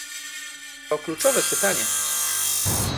To kluczowe pytanie